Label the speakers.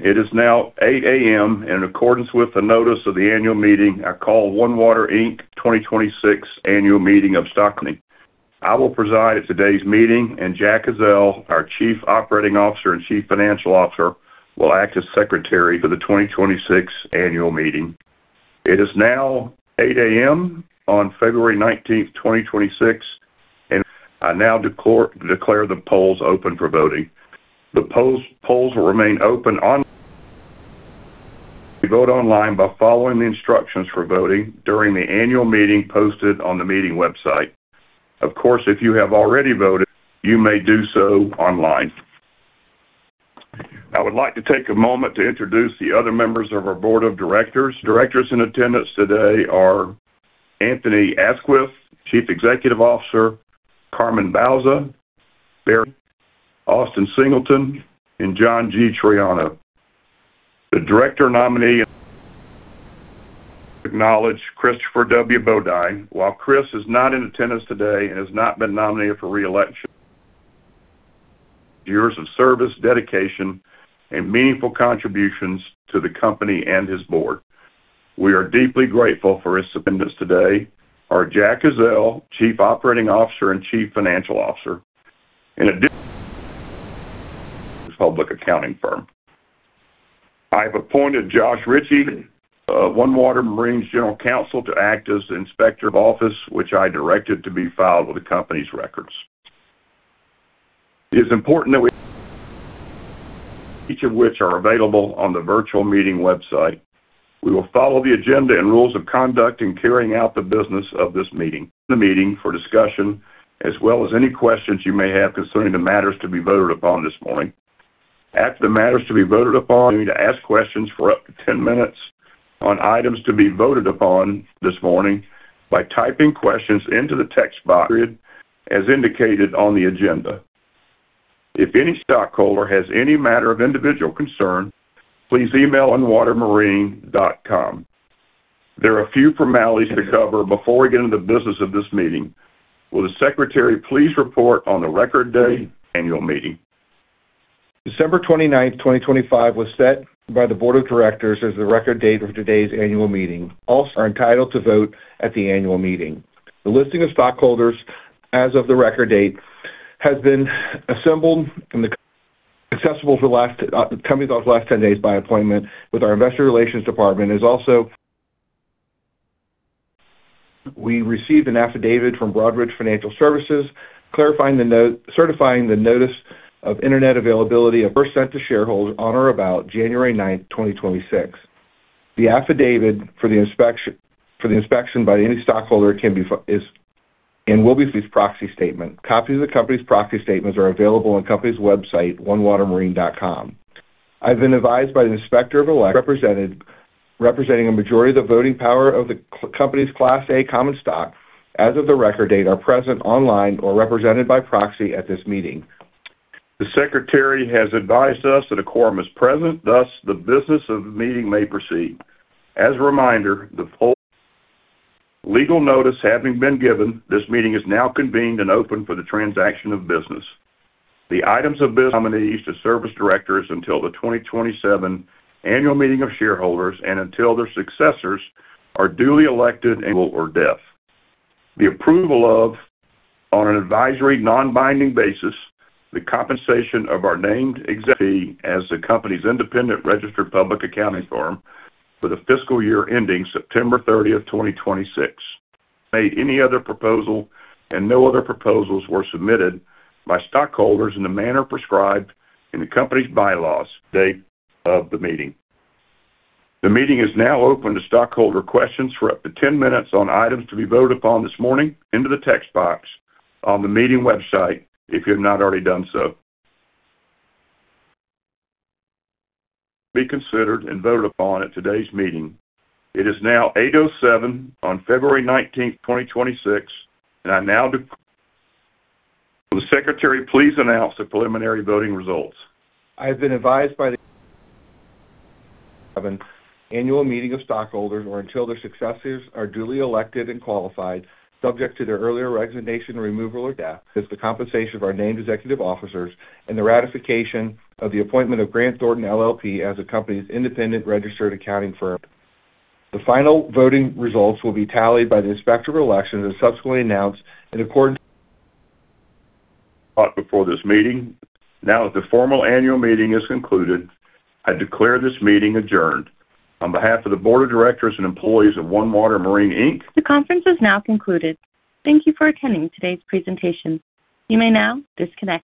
Speaker 1: It is now 8:00 A.M. In accordance with the notice of the annual meeting, I call OneWater Marine 2026 Annual Meeting of Stockholders. I will preside at today's meeting, and Jack Ezzell, our Chief Operating Officer and Chief Financial Officer, will act as Secretary for the 2026 annual meeting. It is now 8:00 A.M. on February 19, 2026, and I now declare the polls open for voting. The polls will remain open. Vote online by following the instructions for voting during the annual meeting posted on the meeting website. Of course, if you have already voted, you may do so online. I would like to take a moment to introduce the other members of our Board of Directors. Directors in attendance today are Anthony Aisquith, Chief Executive Officer, Carmen Bauza, Austin Singleton, and John Troiano. The director nominee, acknowledge Christopher W. Bodine. While Chris is not in attendance today and has not been nominated for re-election, years of service, dedication, and meaningful contributions to the company and his board. We are deeply grateful for his attendance today. Our Jack Ezzell, Chief Operating Officer and Chief Financial Officer. In addition, public accounting firm. I have appointed Josh Ritchie, OneWater Marine's General Counsel, to act as Inspector of Election, which I directed to be filed with the company's records. It is important that each of which are available on the virtual meeting website. We will follow the agenda and rules of conduct in carrying out the business of this meeting. The meeting for discussion, as well as any questions you may have concerning the matters to be voted upon this morning. After the matters to be voted upon, to ask questions for up to 10 minutes on items to be voted upon this morning by typing questions into the text box as indicated on the agenda. If any stockholder has any matter of individual concern, please email onewatermarine.com. There are a few formalities to cover before we get into the business of this meeting. Will the Secretary please report on the record date annual meeting?
Speaker 2: December 29, 2025, was set by the board of directors as the record date of today's annual meeting. Also, are entitled to vote at the annual meeting. The listing of stockholders as of the record date has been assembled and accessible for the last 10 days by appointment with our Investor Relations Department is also. We received an affidavit from Broadridge Financial Solutions, certifying the notice of internet availability first sent to shareholders on or about January 9, 2026. The affidavit for the inspection by any stockholder can be is and will be this proxy statement. Copies of the company's proxy statements are available on the company's website, onewatermarine.com. I've been advised by the Inspector of Election, representing a majority of the voting power of the company's Class A common stock as of the record date, are present online or represented by proxy at this meeting.
Speaker 1: The Secretary has advised us that a quorum is present, thus the business of the meeting may proceed. As a reminder, the full legal notice having been given, this meeting is now convened and open for the transaction of business. The items of business, nominees to serve as directors until the 2027 annual meeting of shareholders and until their successors are duly elected and or death. The approval of, on an advisory non-binding basis, the compensation of our named exec- as the company's independent registered public accounting firm for the fiscal year ending September 30, 2026. Made any other proposal, and no other proposals were submitted by stockholders in the manner prescribed in the company's bylaws date of the meeting. The meeting is now open to stockholder questions for up to 10 minutes on items to be voted upon this morning into the text box on the meeting website, if you have not already done so. Be considered and voted upon at today's meeting. It is now 8:07 A.M. on February nineteenth, 2026, and I now will the Secretary please announce the preliminary voting results?
Speaker 2: I have been advised by annual meeting of stockholders, or until their successors are duly elected and qualified, subject to their earlier recommendation, removal, or death, is the compensation of our named executive officers and the ratification of the appointment of Grant Thornton LLP as the company's independent registered accounting firm. The final voting results will be tallied by the Inspector of Election and subsequently announced in accordance-
Speaker 1: Before this meeting. Now that the formal annual meeting is concluded, I declare this meeting adjourned. On behalf of the Board of Directors and employees of OneWater Marine Inc.-
Speaker 3: The conference is now concluded. Thank you for attending today's presentation. You may now disconnect.